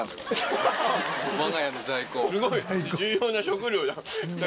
すごい重要な食料じゃん。